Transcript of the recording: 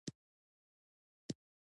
نن ورځ زه ډیر ستومان وم .